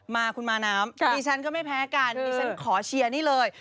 มาคุณมาน้ำดิฉันก็ไม่แพ้กันดิฉันขอเชียร์นี่เลย